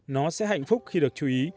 nó sẽ hạnh phúc khi được chú ý